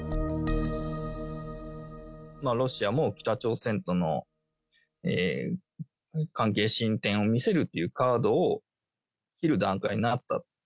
ロシアも北朝鮮との関係進展を見せるというカードを切る段階になった。